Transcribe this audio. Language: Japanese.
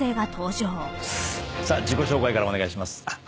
さあ自己紹介からお願いします。